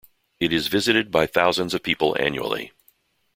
It is visited by thousands of people annually.